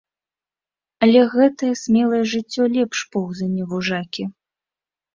Але гэтае смелае жыццё лепш поўзання вужакі.